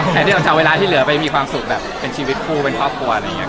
แทนที่เราจะเอาเวลาที่เหลือไปมีความสุขแบบเป็นชีวิตคู่เป็นครอบครัวอะไรอย่างนี้